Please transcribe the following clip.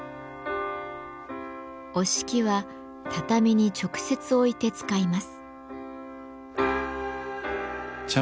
折敷は畳に直接置いて使います。